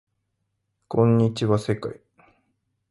こんにちは世界